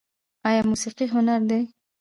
آیا موسیقي هنر دی؟